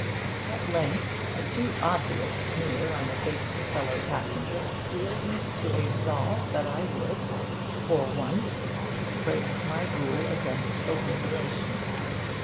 At length, a too obvious sneer on the face of a fellow passenger steeled me to a resolve that I would, for once, break my rule against obliteration.